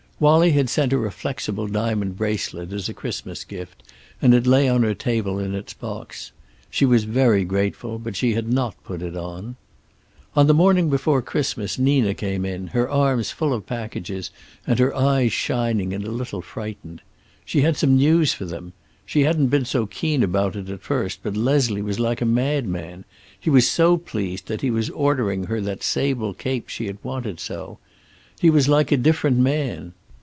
Wallie had sent her a flexible diamond bracelet as a Christmas gift and it lay on her table in its box. She was very grateful, but she had not put it on. On the morning before Christmas Nina came in, her arms full of packages, and her eyes shining and a little frightened. She had some news for them. She hadn't been so keen about it, at first, but Leslie was like a madman. He was so pleased that he was ordering her that sable cape she had wanted so. He was like a different man.